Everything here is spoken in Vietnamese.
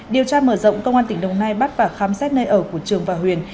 điều tra mở rộng công an tỉnh đồng nai bắt và khám xét nơi ở của trường và huyền